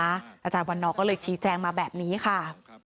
อาจารย์วันนอร์ก็เลยชี้แจงมาแบบนี้ค่ะ